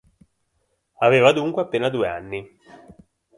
Aveva dunque appena due anni.